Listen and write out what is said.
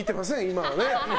今はね。